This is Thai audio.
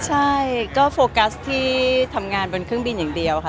ใช่ก็โฟกัสที่ทำงานบนเครื่องบินอย่างเดียวค่ะ